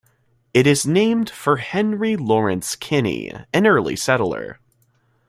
It is named for Henry Lawrence Kinney, an early settler.